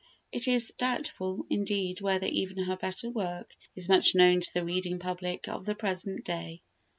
It is doubtful, indeed, whether even her better work is much known to the reading public of the present day.